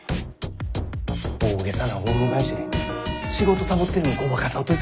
大げさなオウム返しで仕事サボってるんごまかさんといてもらっていいですか。